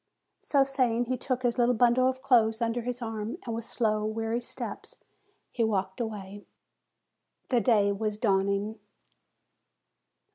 So saying, he took his little bundle of clothes under his arm, and, with slow, weary steps, he walked away. The day was dawning.